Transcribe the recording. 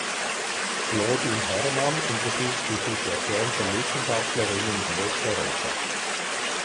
Claudine Hermann untersucht die Situation von Wissenschaftlerinnen in Westeuropa.